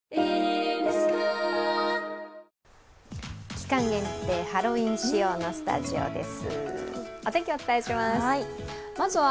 期間限定、ハロウィーン仕様のスタジオです。